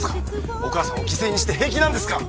お母さんを犠牲にして平気なんですか？